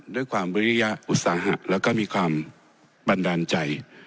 ด้วยความบริยาอุตสาหะแล้วก็มีความบันดาลใจ